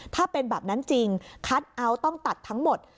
ถ้าเป็นแบบนั้นจริงคัทเอาท์ต้องตัดทั้งหมด